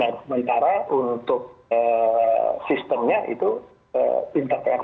nah sementara untuk sistemnya itu integrasi dari mereka